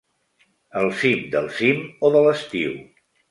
El cim del cim o de l'estiu.